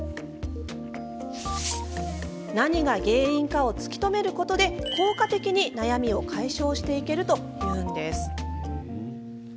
何が原因かを突き止めることで効果的に悩みを解消していけるというんです。